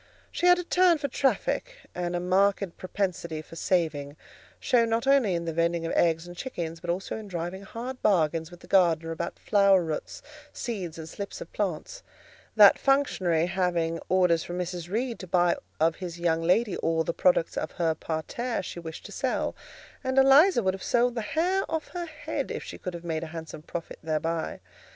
She had a turn for traffic, and a marked propensity for saving; shown not only in the vending of eggs and chickens, but also in driving hard bargains with the gardener about flower roots, seeds, and slips of plants; that functionary having orders from Mrs. Reed to buy of his young lady all the products of her parterre she wished to sell: and Eliza would have sold the hair off her head if she could have made a handsome profit thereby.